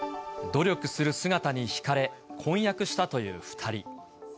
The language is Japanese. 努力する姿にひかれ、婚約したという２人。